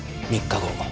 ３日後。